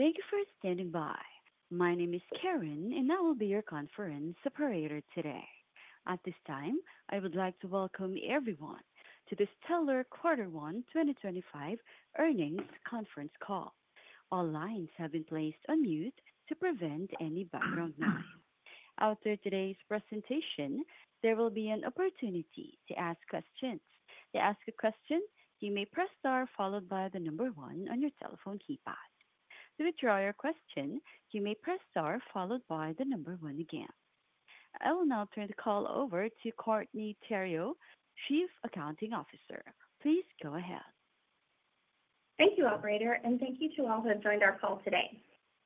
Thank you for standing by. My name is Karen, and I will be your conference operator today. At this time, I would like to welcome everyone to the Stellar Quarter One 2025 Earnings Conference Call. All lines have been placed on mute to prevent any background noise. After today's presentation, there will be an opportunity to ask questions. To ask a question, you may press star followed by the number one on your telephone keypad. To withdraw your question, you may press star followed by the number one again. I will now turn the call over to Courtney Theriot, Chief Accounting Officer. Please go ahead. Thank you, Operator, and thank you to all who have joined our call today.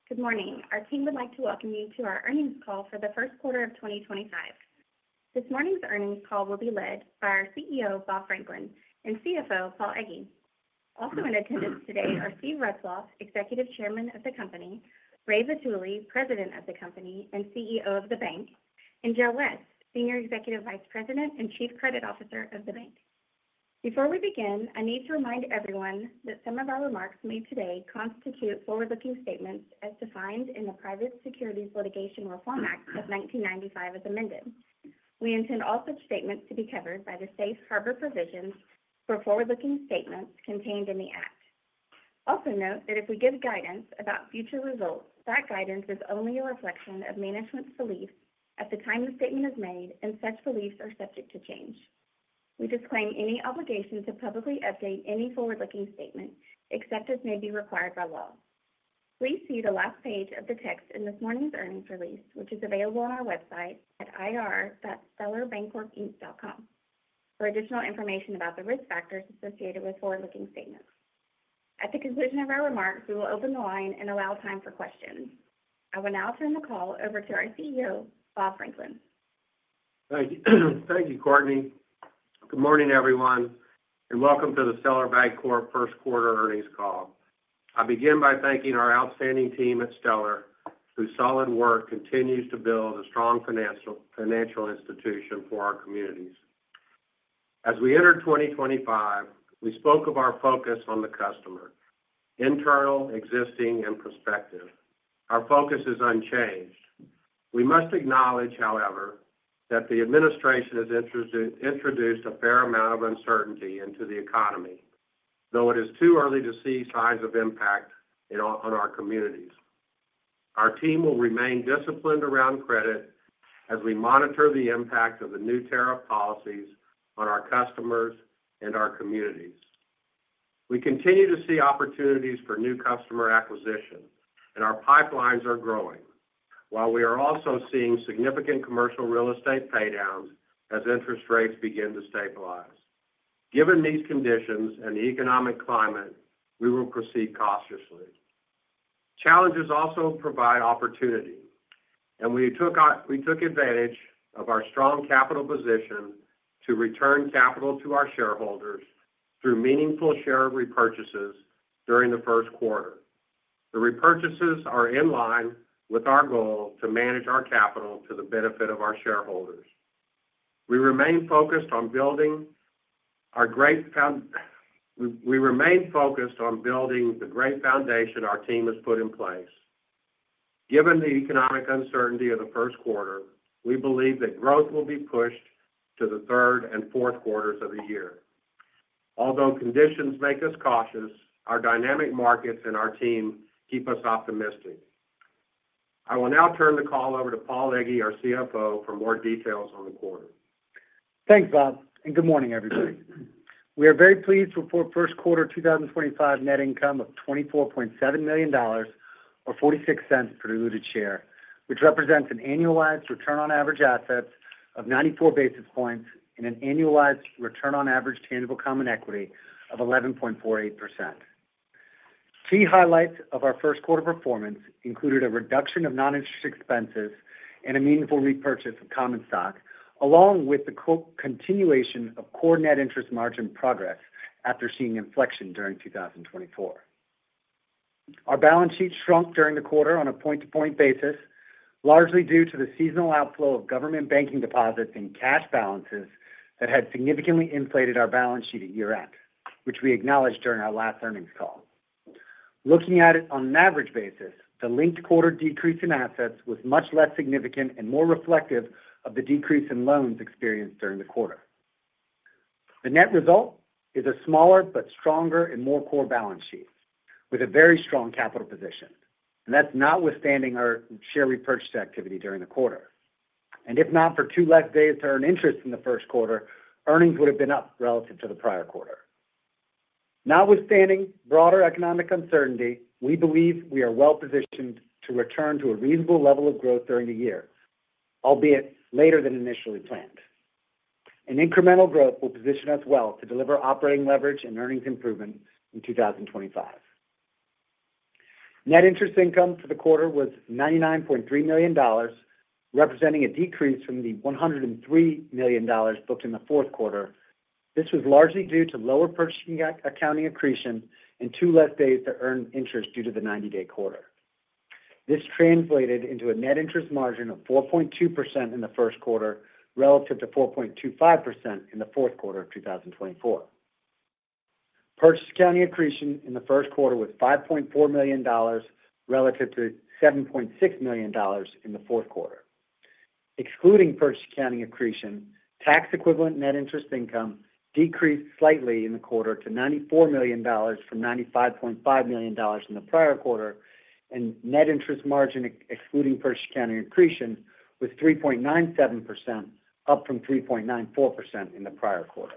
Good morning. Our team would like to welcome you to our earnings call for the first quarter of 2025. This morning's earnings call will be led by our CEO, Bob Franklin, and CFO, Paul Egge. Also in attendance today are Steve Retzloff, Executive Chairman of the company; Ray Vitulli, President of the company and CEO of the bank; and Joe West, Senior Executive Vice President and Chief Credit Officer of the bank. Before we begin, I need to remind everyone that some of our remarks made today constitute forward-looking statements as defined in the Private Securities Litigation Reform Act of 1995 as amended. We intend all such statements to be covered by the safe harbor provisions for forward-looking statements contained in the act. Also note that if we give guidance about future results, that guidance is only a reflection of management's beliefs at the time the statement is made, and such beliefs are subject to change. We disclaim any obligation to publicly update any forward-looking statement except as may be required by law. Please see the last page of the text in this morning's earnings release, which is available on our website at ir.stellarbancorp.com, for additional information about the risk factors associated with forward-looking statements. At the conclusion of our remarks, we will open the line and allow time for questions. I will now turn the call over to our CEO, Bob Franklin. Thank you, Courtney. Good morning, everyone, and welcome to the Stellar Bancorp first quarter earnings call. I begin by thanking our outstanding team at Stellar, whose solid work continues to build a strong financial institution for our communities. As we enter 2025, we spoke of our focus on the customer: internal, existing, and prospective. Our focus is unchanged. We must acknowledge, however, that the administration has introduced a fair amount of uncertainty into the economy, though it is too early to see signs of impact on our communities. Our team will remain disciplined around credit as we monitor the impact of the new tariff policies on our customers and our communities. We continue to see opportunities for new customer acquisition, and our pipelines are growing, while we are also seeing significant commercial real estate paydowns as interest rates begin to stabilize. Given these conditions and the economic climate, we will proceed cautiously. Challenges also provide opportunity, and we took advantage of our strong capital position to return capital to our shareholders through meaningful share repurchases during the first quarter. The repurchases are in line with our goal to manage our capital to the benefit of our shareholders. We remain focused on building our great foundation. We remain focused on building the great foundation our team has put in place. Given the economic uncertainty of the first quarter, we believe that growth will be pushed to the third and fourth quarters of the year. Although conditions make us cautious, our dynamic markets and our team keep us optimistic. I will now turn the call over to Paul Egge, our CFO, for more details on the quarter. Thanks, Bob, and good morning, everybody. We are very pleased to report first quarter 2025 net income of $24.7 million, or $0.46 per diluted share, which represents an annualized return on average assets of 94 basis points and an annualized return on average tangible common equity of 11.48%. Key highlights of our first quarter performance included a reduction of non-interest expenses and a meaningful repurchase of common stock, along with the continuation of core net interest margin progress after seeing inflection during 2024. Our balance sheet shrunk during the quarter on a point-to-point basis, largely due to the seasonal outflow of government banking deposits and cash balances that had significantly inflated our balance sheet at year-end, which we acknowledged during our last earnings call. Looking at it on an average basis, the linked quarter decrease in assets was much less significant and more reflective of the decrease in loans experienced during the quarter. The net result is a smaller but stronger and more core balance sheet with a very strong capital position, and that's notwithstanding our share repurchase activity during the quarter. If not for two less days to earn interest in the first quarter, earnings would have been up relative to the prior quarter. Notwithstanding broader economic uncertainty, we believe we are well-positioned to return to a reasonable level of growth during the year, albeit later than initially planned. An incremental growth will position us well to deliver operating leverage and earnings improvement in 2025. Net interest income for the quarter was $99.3 million, representing a decrease from the $103 million booked in the fourth quarter. This was largely due to lower purchase accounting accretion and two less days to earn interest due to the 90-day quarter. This translated into a net interest margin of 4.2% in the first quarter relative to 4.25% in the fourth quarter of 2024. Purchase accounting accretion in the first quarter was $5.4 million relative to $7.6 million in the fourth quarter. Excluding purchase accounting accretion, tax-equivalent net interest income decreased slightly in the quarter to $94 million from $95.5 million in the prior quarter, and net interest margin, excluding purchase accounting accretion, was 3.97%, up from 3.94% in the prior quarter.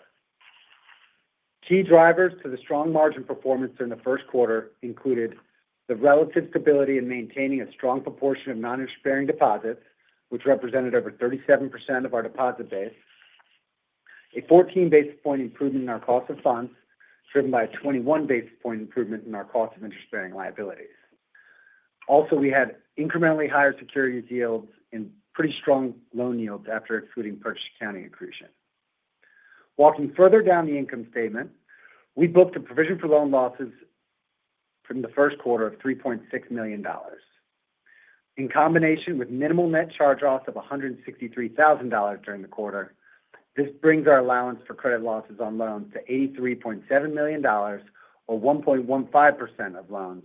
Key drivers to the strong margin performance during the first quarter included the relative stability in maintaining a strong proportion of non-interest-bearing deposits, which represented over 37% of our deposit base, a 14 basis point improvement in our cost of funds driven by a 21 basis point improvement in our cost of interest-bearing liabilities. Also, we had incrementally higher securities yields and pretty strong loan yields after excluding purchase accounting accretion. Walking further down the income statement, we booked a provision for loan losses from the first quarter of $3.6 million. In combination with minimal net charge-offs of $163,000 during the quarter, this brings our allowance for credit losses on loans to $83.7 million, or 1.15% of loans,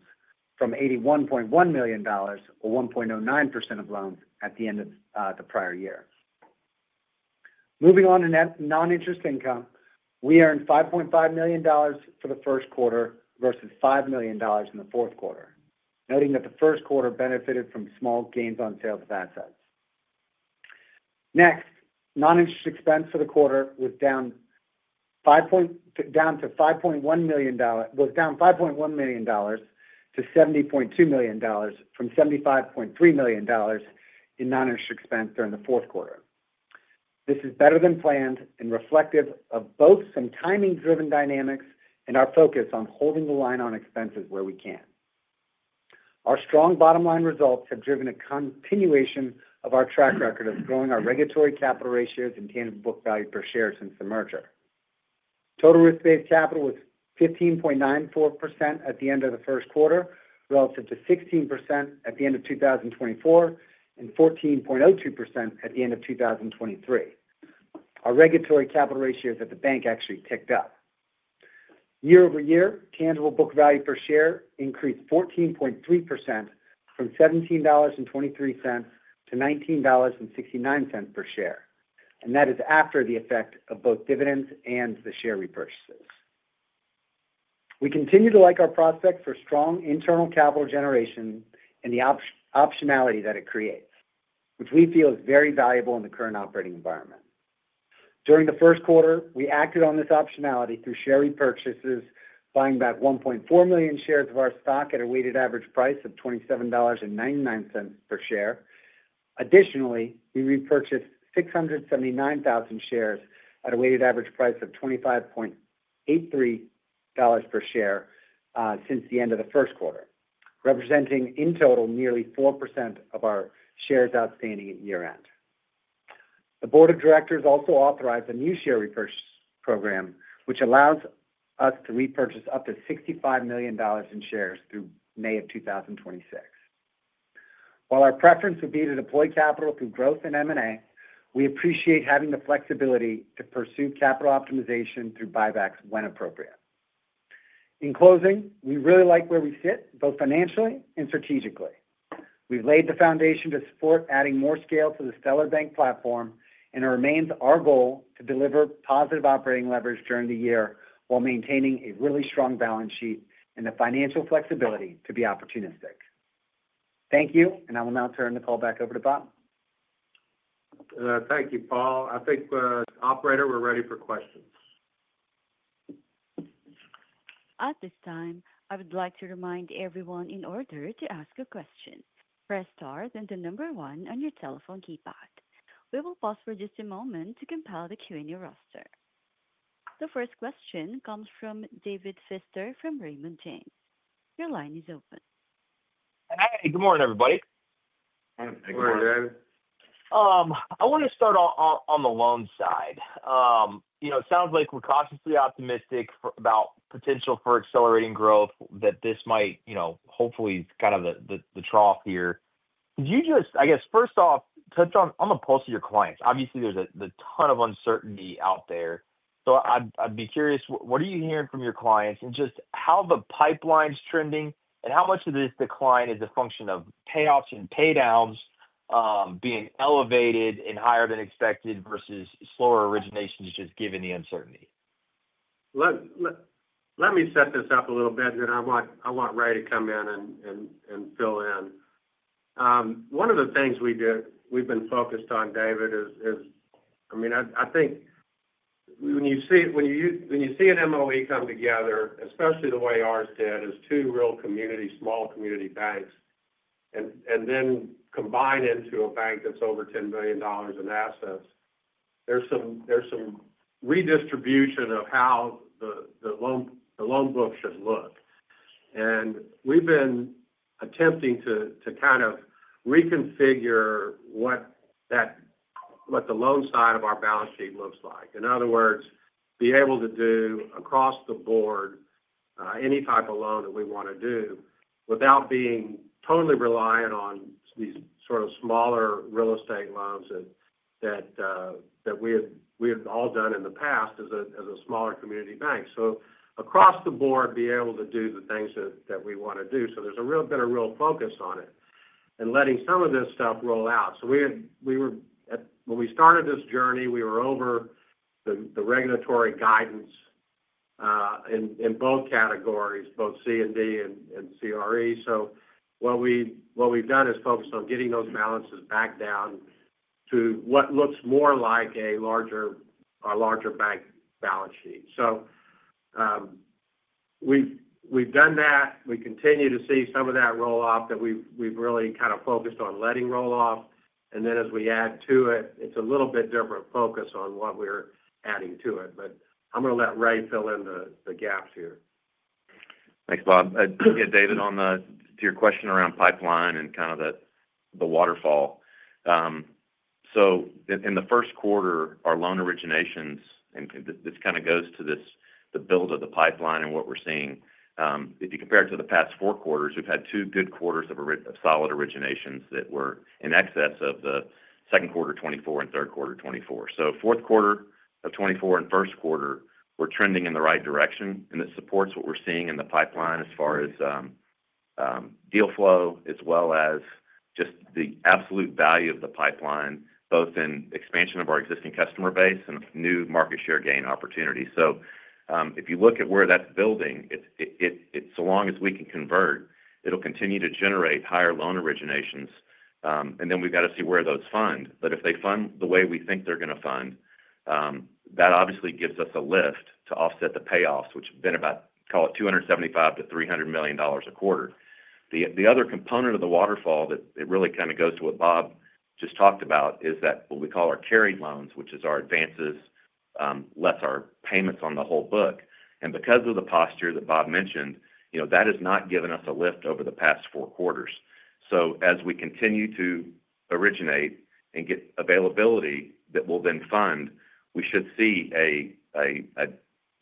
from $81.1 million, or 1.09% of loans, at the end of the prior year. Moving on to net non-interest income, we earned $5.5 million for the first quarter versus $5 million in the fourth quarter, noting that the first quarter benefited from small gains on sales of assets. Next, non-interest expense for the quarter was down to $70.2 million from $75.3 million in non-interest expense during the fourth quarter. This is better than planned and reflective of both some timing-driven dynamics and our focus on holding the line on expenses where we can. Our strong bottom-line results have driven a continuation of our track record of growing our regulatory capital ratios and tangible book value per share since the merger. Total risk-based capital was 15.94% at the end of the first quarter, relative to 16% at the end of 2024 and 14.02% at the end of 2023. Our regulatory capital ratios at the bank actually ticked up. Year over year, tangible book value per share increased 14.3%, from $17.23 to $19.69 per share, and that is after the effect of both dividends and the share repurchases. We continue to like our prospect for strong internal capital generation and the optionality that it creates, which we feel is very valuable in the current operating environment. During the first quarter, we acted on this optionality through share repurchases, buying back 1.4 million shares of our stock at a weighted average price of $27.99 per share. Additionally, we repurchased 679,000 shares at a weighted average price of $25.83 per share since the end of the first quarter, representing in total nearly 4% of our shares outstanding at year-end. The board of directors also authorized a new share repurchase program, which allows us to repurchase up to $65 million in shares through May of 2026. While our preference would be to deploy capital through growth and M&A, we appreciate having the flexibility to pursue capital optimization through buybacks when appropriate. In closing, we really like where we sit, both financially and strategically. We've laid the foundation to support adding more scale to the Stellar Bank platform, and it remains our goal to deliver positive operating leverage during the year while maintaining a really strong balance sheet and the financial flexibility to be opportunistic. Thank you, and I will now turn the call back over to Bob. Thank you, Paul. I think, Operator, we're ready for questions. At this time, I would like to remind everyone in order to ask a question, press star then the number one on your telephone keypad. We will pause for just a moment to compile the Q&A roster. The first question comes from David Feaster from Raymond James. Your line is open. Hey, good morning, everybody. Hey, good morning, David. I want to start on the loan side. It sounds like we're cautiously optimistic about potential for accelerating growth, that this might hopefully kind of the trough here. Could you just, I guess, first off, touch on the pulse of your clients? Obviously, there's a ton of uncertainty out there. I'd be curious, what are you hearing from your clients and just how the pipeline's trending and how much of this decline is a function of payoffs and paydowns being elevated and higher than expected versus slower originations just given the uncertainty? Let me set this up a little bit, and then I want Ray to come in and fill in. One of the things we've been focused on, David, is, I mean, I think when you see an MOE come together, especially the way ours did, as two real community, small community banks, and then combine into a bank that's over $10 billion in assets, there's some redistribution of how the loan book should look. And we've been attempting to kind of reconfigure what the loan side of our balance sheet looks like. In other words, be able to do across the board any type of loan that we want to do without being totally reliant on these sort of smaller real estate loans that we have all done in the past as a smaller community bank. Across the board, be able to do the things that we want to do. There's been a real focus on it and letting some of this stuff roll out. When we started this journey, we were over the regulatory guidance in both categories, both C&D and CRE. What we've done is focus on getting those balances back down to what looks more like our larger bank balance sheet. We've done that. We continue to see some of that roll off that we've really kind of focused on letting roll off. As we add to it, it's a little bit different focus on what we're adding to it. I'm going to let Ray fill in the gaps here. Thanks, Bob. David, to your question around pipeline and kind of the waterfall. In the first quarter, our loan originations, and this kind of goes to the build of the pipeline and what we're seeing. If you compare it to the past four quarters, we've had two good quarters of solid originations that were in excess of the second quarter 2024 and third quarter 2024. Fourth quarter of 2024 and first quarter, we're trending in the right direction, and it supports what we're seeing in the pipeline as far as deal flow, as well as just the absolute value of the pipeline, both in expansion of our existing customer base and new market share gain opportunity. If you look at where that's building, it's so long as we can convert, it'll continue to generate higher loan originations, and then we've got to see where those fund. If they fund the way we think they're going to fund, that obviously gives us a lift to offset the payoffs, which have been about, call it $275 million-$300 million a quarter. The other component of the waterfall that really kind of goes to what Bob just talked about is that what we call our carried loans, which is our advances, less our payments on the whole book. Because of the posture that Bob mentioned, that has not given us a lift over the past four quarters. As we continue to originate and get availability that will then fund, we should see a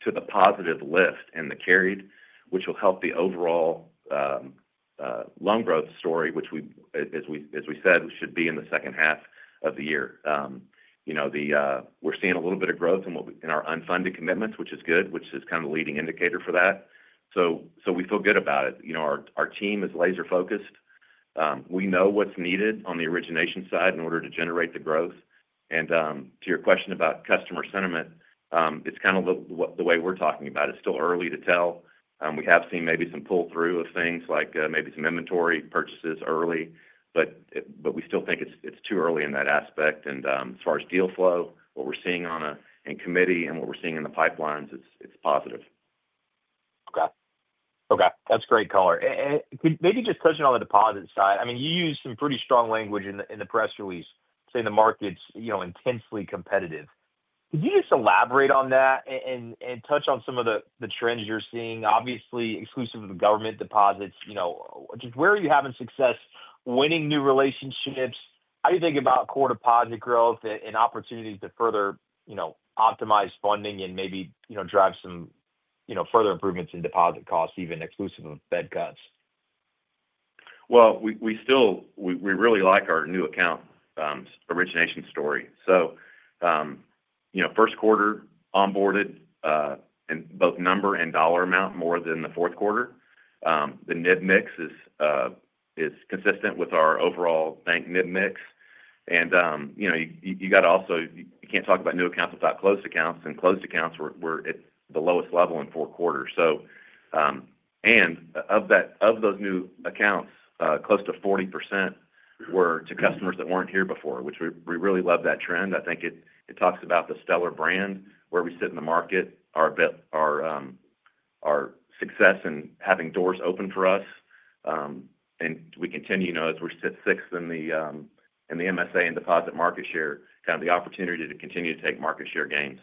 positive lift in the carried, which will help the overall loan growth story, which, as we said, should be in the second half of the year. We're seeing a little bit of growth in our unfunded commitments, which is good, which is kind of the leading indicator for that. We feel good about it. Our team is laser focused. We know what's needed on the origination side in order to generate the growth. To your question about customer sentiment, it's kind of the way we're talking about it. It's still early to tell. We have seen maybe some pull-through of things, like maybe some inventory purchases early, but we still think it's too early in that aspect. As far as deal flow, what we're seeing on a committee and what we're seeing in the pipelines, it's positive. Okay. Okay. That's great color. Maybe just touching on the deposit side. I mean, you used some pretty strong language in the press release, saying the market's intensely competitive. Could you just elaborate on that and touch on some of the trends you're seeing, obviously exclusive of government deposits? Just where are you having success winning new relationships? How do you think about core deposit growth and opportunities to further optimize funding and maybe drive some further improvements in deposit costs, even exclusive of Fed cuts? We really like our new account origination story. First quarter, onboarded in both number and dollar amount more than the fourth quarter. The NIB mix is consistent with our overall bank NIB mix. You also can't talk about new accounts without closed accounts, and closed accounts were at the lowest level in four quarters. Of those new accounts, close to 40% were to customers that weren't here before, which we really love that trend. I think it talks about the Stellar brand, where we sit in the market, our success in having doors open for us. We continue, as we're sixth in the MSA in deposit market share, to see the opportunity to continue to take market share gains.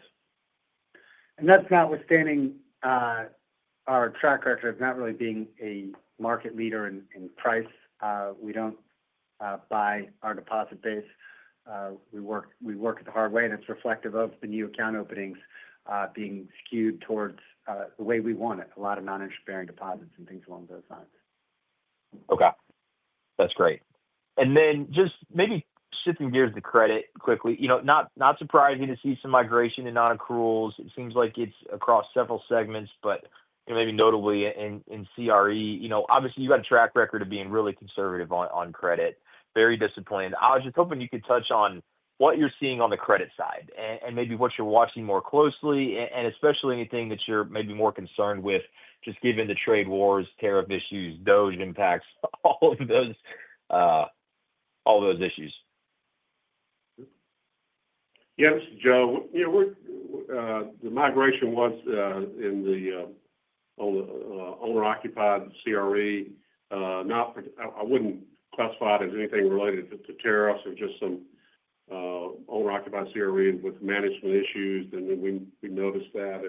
That is notwithstanding our track record of not really being a market leader in price. We do not buy our deposit base. We work the hard way, and it is reflective of the new account openings being skewed towards the way we want it, a lot of non-interest-bearing deposits and things along those lines. Okay. That's great. Just maybe shifting gears to credit quickly. Not surprising to see some migration in non-accruals. It seems like it's across several segments, but maybe notably in CRE. Obviously, you've got a track record of being really conservative on credit. Very disappointed. I was just hoping you could touch on what you're seeing on the credit side and maybe what you're watching more closely, and especially anything that you're maybe more concerned with, just given the trade wars, tariff issues, DOGE impacts, all of those issues. Yeah, this is Joe. The migration was in the owner-occupied CRE. I would not classify it as anything related to tariffs or just some owner-occupied CRE with management issues. We noticed that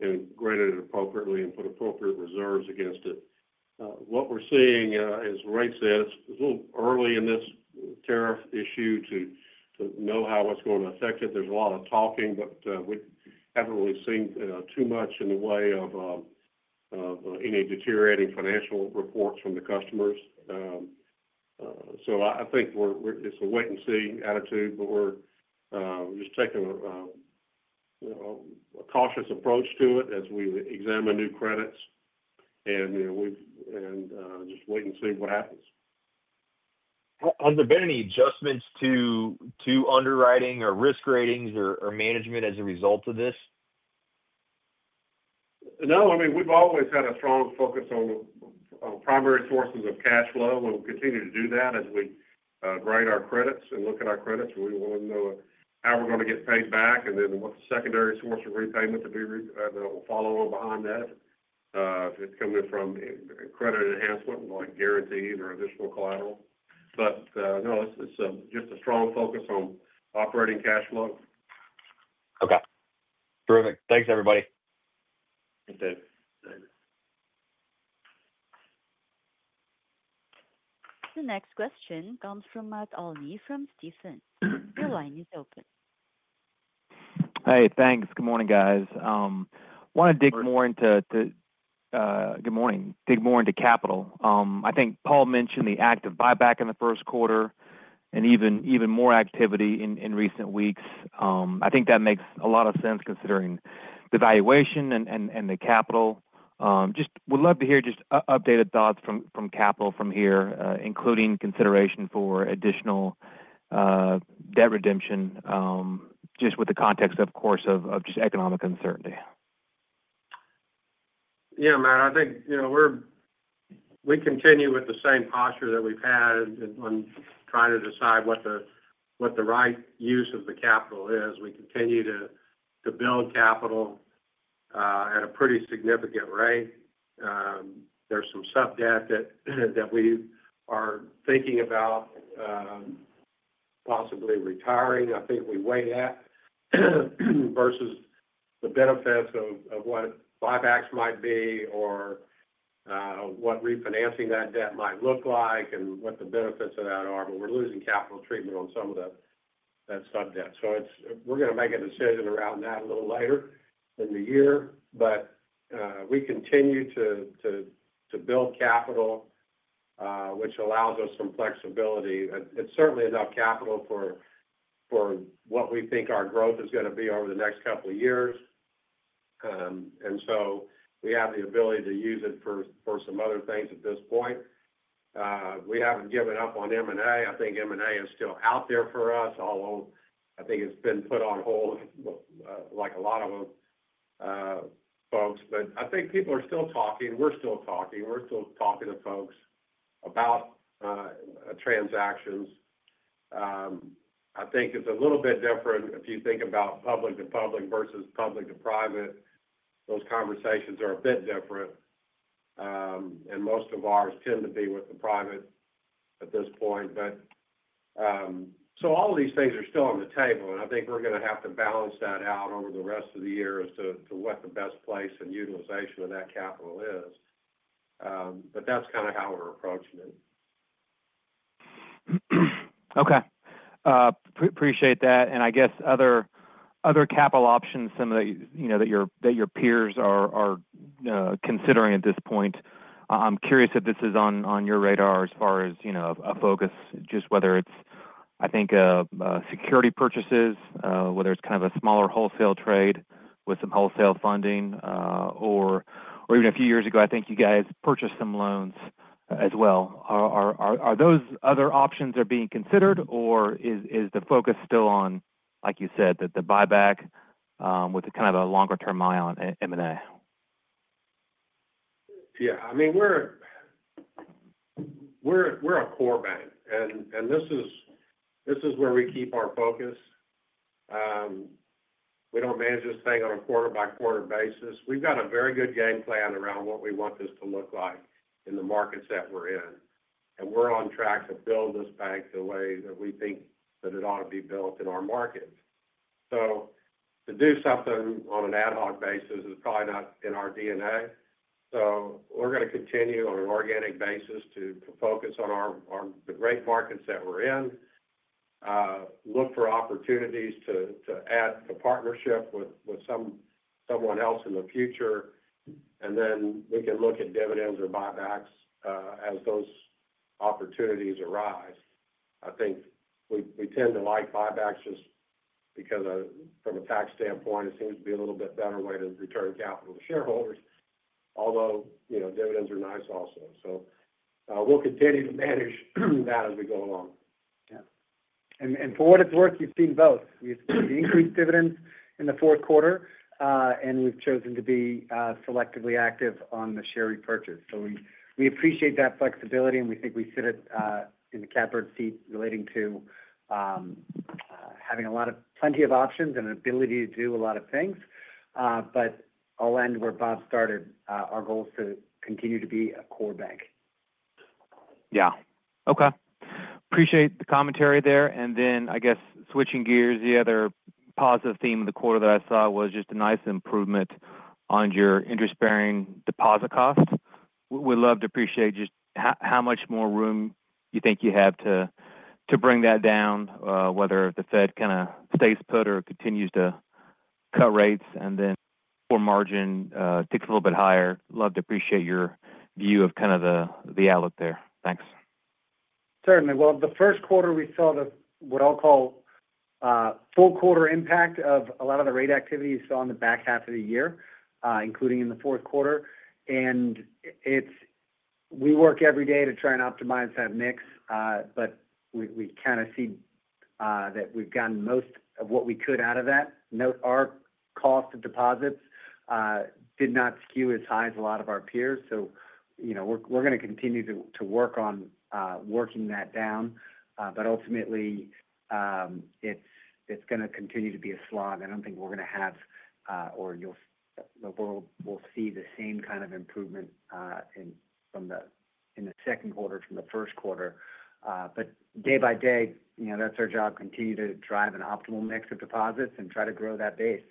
and granted it appropriately and put appropriate reserves against it. What we are seeing, as Ray said, it is a little early in this tariff issue to know how it is going to affect it. There is a lot of talking, but we have not really seen too much in the way of any deteriorating financial reports from the customers. I think it is a wait-and-see attitude, but we are just taking a cautious approach to it as we examine new credits, and just wait and see what happens. Has there been any adjustments to underwriting or risk ratings or management as a result of this? No. I mean, we've always had a strong focus on primary sources of cash flow, and we'll continue to do that as we grade our credits and look at our credits. We want to know how we're going to get paid back and then what the secondary source of repayment that will follow behind that, if it's coming from credit enhancement like guaranteed or additional collateral. No, it's just a strong focus on operating cash flow. Okay. Terrific. Thanks, everybody. Thank you. The next question comes from Matt Olney from Stephens. Your line is open. Hey, thanks. Good morning, guys. Want to dig more into—good morning—dig more into capital. I think Paul mentioned the active buyback in the first quarter and even more activity in recent weeks. I think that makes a lot of sense considering the valuation and the capital. Just would love to hear just updated thoughts from capital from here, including consideration for additional debt redemption, just with the context, of course, of just economic uncertainty. Yeah, Matt. I think we continue with the same posture that we've had on trying to decide what the right use of the capital is. We continue to build capital at a pretty significant rate. There's some sub-debt that we are thinking about possibly retiring. I think we weigh that versus the benefits of what buybacks might be or what refinancing that debt might look like and what the benefits of that are. We're losing capital treatment on some of that sub-debt. We are going to make a decision around that a little later in the year. We continue to build capital, which allows us some flexibility. It's certainly enough capital for what we think our growth is going to be over the next couple of years. We have the ability to use it for some other things at this point. We haven't given up on M&A. I think M&A is still out there for us, although I think it's been put on hold like a lot of folks. I think people are still talking. We're still talking. We're still talking to folks about transactions. I think it's a little bit different if you think about public to public versus public to private. Those conversations are a bit different. Most of ours tend to be with the private at this point. All of these things are still on the table, and I think we're going to have to balance that out over the rest of the year as to what the best place and utilization of that capital is. That's kind of how we're approaching it. Okay. Appreciate that. I guess other capital options, some of that your peers are considering at this point. I'm curious if this is on your radar as far as a focus, just whether it's, I think, security purchases, whether it's kind of a smaller wholesale trade with some wholesale funding, or even a few years ago, I think you guys purchased some loans as well. Are those other options being considered, or is the focus still on, like you said, the buyback with kind of a longer-term eye on M&A? Yeah. I mean, we're a core bank, and this is where we keep our focus. We don't manage this thing on a quarter-by-quarter basis. We've got a very good game plan around what we want this to look like in the markets that we're in. We're on track to build this bank the way that we think that it ought to be built in our markets. To do something on an ad hoc basis is probably not in our DNA. We're going to continue on an organic basis to focus on the great markets that we're in, look for opportunities to add the partnership with someone else in the future, and then we can look at dividends or buybacks as those opportunities arise. I think we tend to like buybacks just because from a tax standpoint, it seems to be a little bit better way to return capital to shareholders, although dividends are nice also. We will continue to manage that as we go along. Yeah. For what it's worth, you've seen both. We've increased dividends in the fourth quarter, and we've chosen to be selectively active on the share repurchase. We appreciate that flexibility, and we think we sit in the catbird seat relating to having plenty of options and an ability to do a lot of things. I'll end where Bob started. Our goal is to continue to be a core bank. Yeah. Okay. Appreciate the commentary there. I guess switching gears, the other positive theme of the quarter that I saw was just a nice improvement on your interest-bearing deposit cost. We'd love to appreciate just how much more room you think you have to bring that down, whether the Fed kind of stays put or continues to cut rates and then core margin ticks a little bit higher. Love to appreciate your view of kind of the outlook there. Thanks. Certainly. The first quarter, we saw what I'll call full quarter impact of a lot of the rate activity you saw in the back half of the year, including in the fourth quarter. We work every day to try and optimize that mix, but we kind of see that we've gotten most of what we could out of that. Note our cost of deposits did not skew as high as a lot of our peers. We are going to continue to work on working that down. Ultimately, it is going to continue to be a slog. I do not think we are going to have or we will see the same kind of improvement in the second quarter from the first quarter. Day by day, that is our job, continue to drive an optimal mix of deposits and try to grow that base.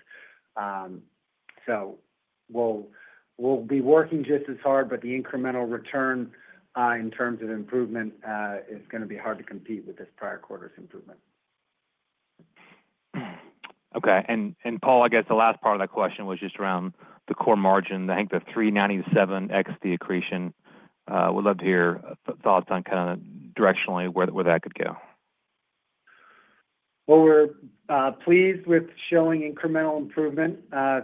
We'll be working just as hard, but the incremental return in terms of improvement is going to be hard to compete with this prior quarter's improvement. Okay. Paul, I guess the last part of that question was just around the core margin, I think the 397 basis points degradation. We'd love to hear thoughts on kind of directionally where that could go. We are pleased with showing incremental improvement,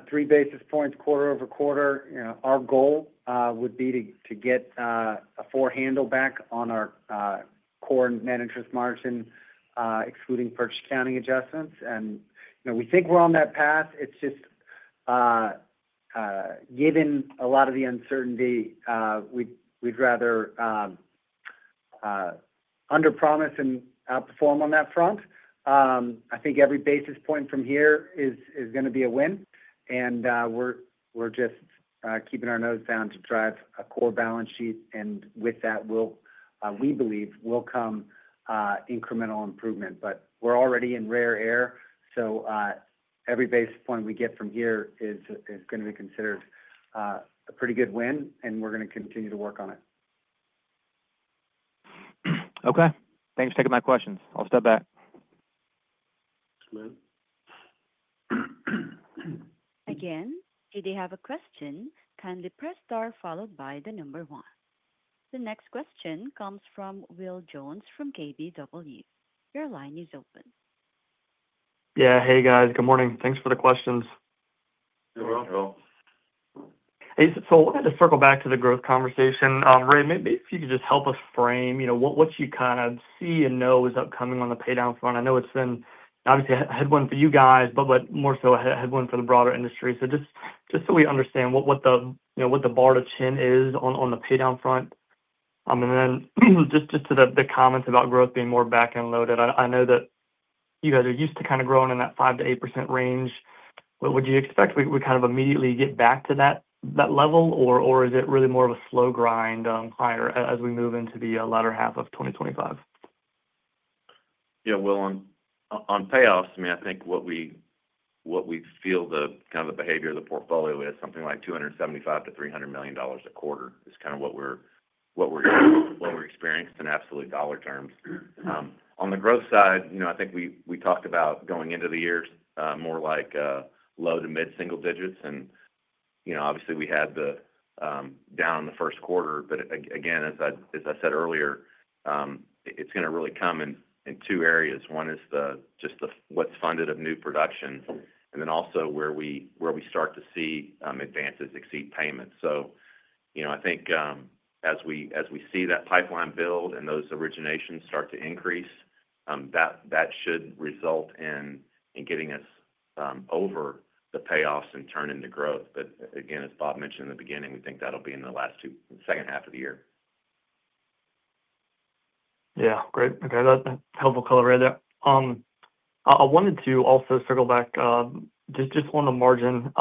three basis points quarter over quarter. Our goal would be to get a four handle back on our core net interest margin, excluding purchase accounting adjustments. We think we are on that path. It is just given a lot of the uncertainty, we would rather under-promise and outperform on that front. I think every basis point from here is going to be a win. We are just keeping our nose down to drive a core balance sheet. With that, we believe will come incremental improvement. We are already in rare air. Every basis point we get from here is going to be considered a pretty good win, and we are going to continue to work on it. Okay. Thanks for taking my questions. I'll step back. Again, if you have a question, kindly press star followed by the number one. The next question comes from Will Jones from KBW. Your line is open. Yeah. Hey, guys. Good morning. Thanks for the questions. You're welcome. Hey, we'll have to circle back to the growth conversation. Ray, maybe if you could just help us frame what you kind of see and know is upcoming on the paydown front. I know it's been obviously a headwind for you guys, but more so a headwind for the broader industry. Just so we understand what the bar to chin is on the paydown front. Then just to the comments about growth being more back-end loaded, I know that you guys are used to kind of growing in that 5%-8% range. Would you expect we kind of immediately get back to that level, or is it really more of a slow grind higher as we move into the latter half of 2025? Yeah. On payoffs, I mean, I think what we feel the kind of the behavior of the portfolio is something like $275 million-$300 million a quarter is kind of what we're experiencing in absolute dollar terms. On the growth side, I think we talked about going into the year more like low to mid-single digits. Obviously, we had the down in the first quarter. Again, as I said earlier, it's going to really come in two areas. One is just what's funded of new production, and then also where we start to see advances exceed payments. I think as we see that pipeline build and those originations start to increase, that should result in getting us over the payoffs and turn into growth. Again, as Bob mentioned in the beginning, we think that'll be in the second half of the year. Yeah. Great. Okay. That's helpful color right there. I wanted to also circle back just on the margin.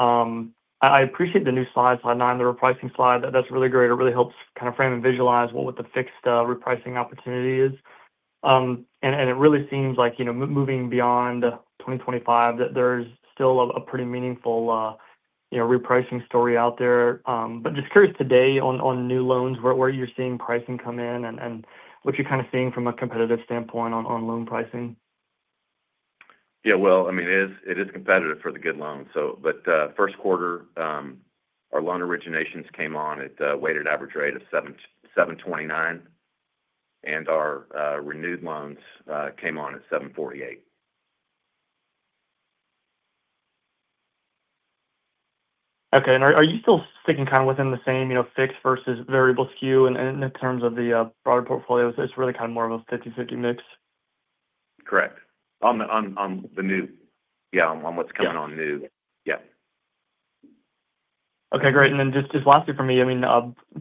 I appreciate the new slide, slide nine, the repricing slide. That's really great. It really helps kind of frame and visualize what the fixed repricing opportunity is. It really seems like moving beyond 2025 that there's still a pretty meaningful repricing story out there. Just curious today on new loans, where you're seeing pricing come in and what you're kind of seeing from a competitive standpoint on loan pricing. Yeah. I mean, it is competitive for the good loans. First quarter, our loan originations came on at a weighted average rate of 7.29%, and our renewed loans came on at 7.48%. Okay. Are you still sticking kind of within the same fixed versus variable skew in terms of the broader portfolio? It's really kind of more of a 50/50 mix? Correct. On the new. Yeah, on what's coming on new. Yeah. Okay. Great. And then just lastly for me, I mean,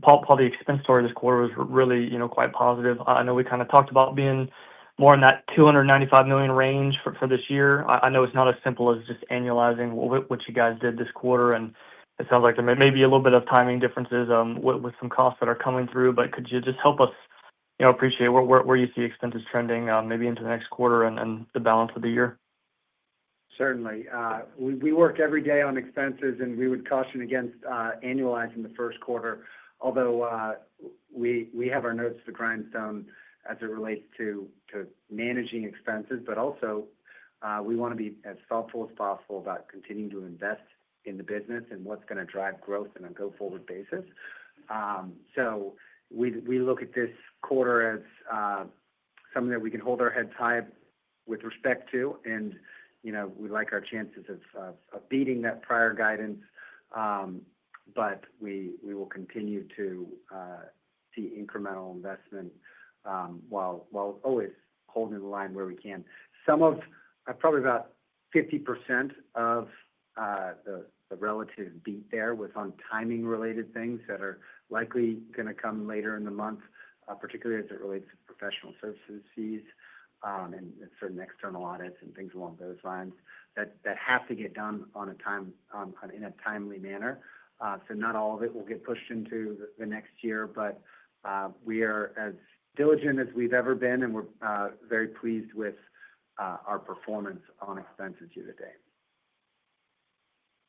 Paul, the expense story this quarter was really quite positive. I know we kind of talked about being more in that $295 million range for this year. I know it's not as simple as just annualizing what you guys did this quarter. It sounds like there may be a little bit of timing differences with some costs that are coming through. Could you just help us appreciate where you see expenses trending maybe into the next quarter and the balance of the year? Certainly. We work every day on expenses, and we would caution against annualizing the first quarter, although we have our notes to the grindstone as it relates to managing expenses. We want to be as thoughtful as possible about continuing to invest in the business and what's going to drive growth on a go-forward basis. We look at this quarter as something that we can hold our head tight with respect to. We like our chances of beating that prior guidance, but we will continue to see incremental investment while always holding the line where we can. Some of probably about 50% of the relative beat there was on timing-related things that are likely going to come later in the month, particularly as it relates to professional services fees and certain external audits and things along those lines that have to get done in a timely manner. Not all of it will get pushed into the next year, but we are as diligent as we've ever been, and we're very pleased with our performance on expenses year to date.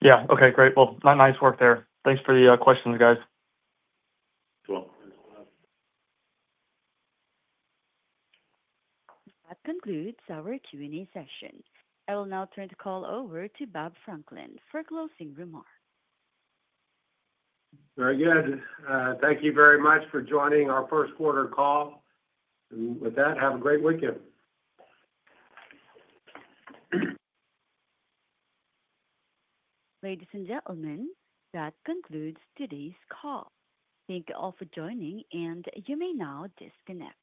Yeah. Okay. Great. Nice work there. Thanks for the questions, guys. Cool. That concludes our Q&A session. I will now turn the call over to Bob Franklin for closing remarks. Very good. Thank you very much for joining our first quarter call. With that, have a great weekend. Ladies and gentlemen, that concludes today's call. Thank you all for joining, and you may now disconnect.